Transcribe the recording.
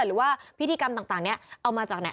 หรือว่าพิธีกรรมต่างนี้เอามาจากไหน